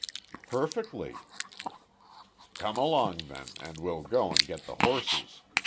"Perfectly." "Come along then, and we'll go and get the horses.